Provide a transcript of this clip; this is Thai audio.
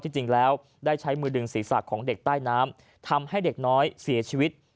จริงแล้วได้ใช้มือดึงศีรษะของเด็กใต้น้ำทำให้เด็กน้อยเสียชีวิต